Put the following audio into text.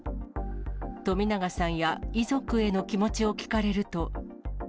冨永さんや遺族への気持ちを聞かれると。